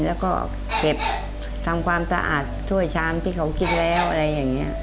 แล้วก็เก็บทำความสะอาดช่วยชามที่เขากินแล้วอะไรอย่างนี้